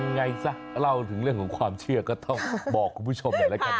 ไงซะเล่าถึงเรื่องของความเชื่อก็ต้องบอกคุณผู้ชมหน่อยแล้วกัน